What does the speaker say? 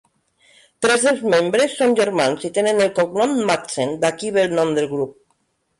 Tres dels membres són germans i tenen el cognom Madsen, d'aquí ve el nom del grup.